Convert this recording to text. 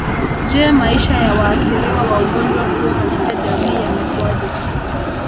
Je maisha ya waathiriwa wa ugonjwa huo katika jamii yamekuaje